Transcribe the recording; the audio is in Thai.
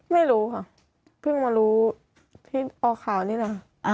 ไม่รู้ค่ะเพิ่งมารู้ที่ออกข่าวนี่นะ